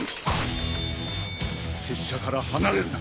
拙者から離れるな。